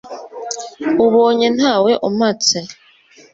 ubonye ntawe umpatse